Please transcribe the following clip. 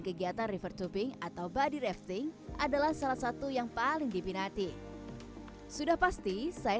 kegiatan river tubing atau body rafting adalah salah satu yang paling dipinati sudah pasti saya